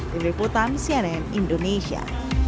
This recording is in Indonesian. di putang cnn indonesia